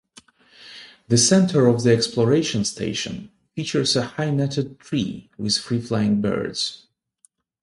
The center of the Exploration Station features a -high netted tree, with free-flying birds.